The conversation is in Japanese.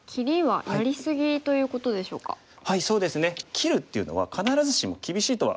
切るっていうのは必ずしも厳しいとは